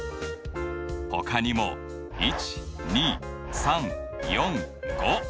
ほかにも１２３４５